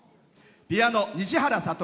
ピアノ、西原悟。